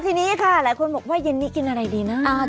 ทีนี้ค่ะหลายคนบอกว่าเย็นนี้กินอะไรดีนะ